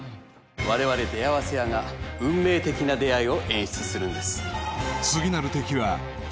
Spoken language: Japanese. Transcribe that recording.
我々出会わせ屋が運命的な出会いを演出するんです